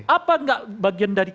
apa nggak bagian dari